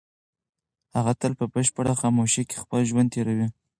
هغه تل په بشپړه خاموشۍ کې خپل ژوند تېروي.